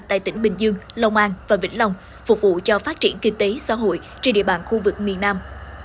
tại tỉnh bình dương lông an và vĩnh long phục vụ cho phát triển kinh tế xã hội trên địa bàn khu vực miền nam